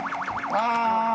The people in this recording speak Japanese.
ああ！